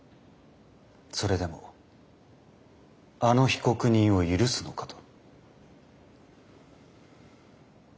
それでもあの被告人を許すのかと。